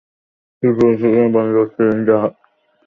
শিল্প বাঁচাতে নয়, বন্ধ করতে ঋণ দেওয়া হয়।